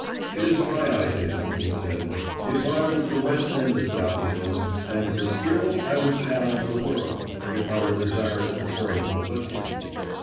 "It is my idea," he said. "It rivals the West End establishments, and for skill I would challenge the world, if I were desirous of courting publicity.